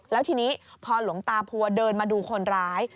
แล้วทีนี้พอหลวงตาพัวเดินมาดูคนร้าย